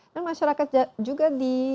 dan masyarakat juga di